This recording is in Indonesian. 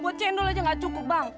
buat cendol aja gak cukup bang